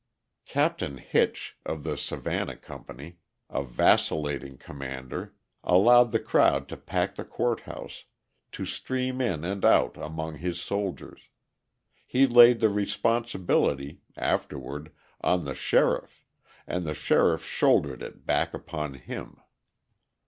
Captain Hitch, of the Savannah Company, a vacillating commander, allowed the crowd to pack the court house, to stream in and out among his soldiers; he laid the responsibility (afterward) on the sheriff, and the sheriff shouldered it back upon him.